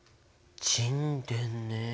沈殿ねえ。